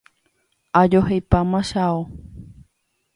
Ajoheipáma che ao.